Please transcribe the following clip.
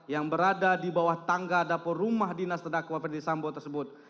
yang berada di bawah tangga dapur rumah dinas terdakwa ferdisambo tersebut